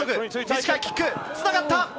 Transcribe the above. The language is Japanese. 短いキック、つながった！